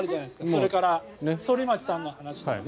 それから反町さんの話とかね。